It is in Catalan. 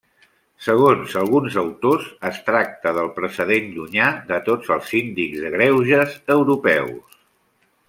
Segons alguns autors es tracta del precedent llunyà de tots els síndics de greuges europeus.